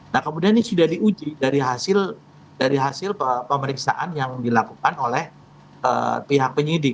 nah kemudian ini sudah diuji dari hasil pemeriksaan yang dilakukan oleh pihak penyidik